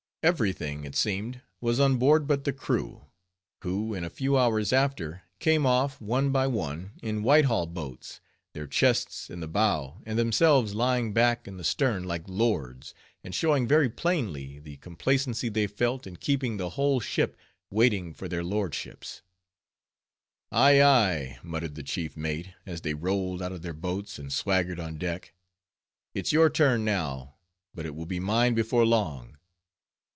Every thing, it seemed, was on board but the crew; who in a few hours after, came off, one by one, in Whitehall boats, their chests in the bow, and themselves lying back in the stem like lords; and showing very plainly the complacency they felt in keeping the whole ship waiting for their lordships. "Ay, ay," muttered the chief mate, as they rolled out of then boats and swaggered on deck, "it's your turn now, but it will be mine before long.